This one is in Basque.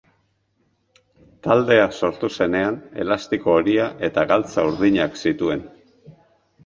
Taldea sortu zenean elastiko horia eta galtza urdinak zituen.